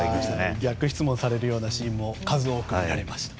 逆質問されるようなシーンも数多く見られました。